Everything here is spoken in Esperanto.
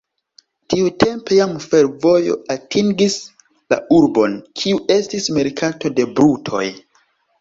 Tiutempe jam fervojo atingis la urbon, kiu estis merkato de brutoj.